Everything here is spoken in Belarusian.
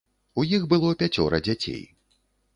У іх было пяцёра дзяцей.